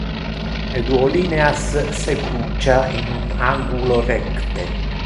Le duo lineas se crucia in angulo recte.